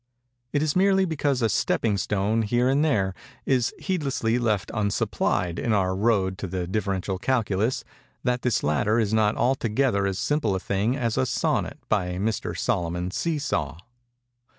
It is merely because a stepping stone, here and there, is heedlessly left unsupplied in our road to the Differential Calculus, that this latter is not altogether as simple a thing as a sonnet by Mr. Solomon Seesaw.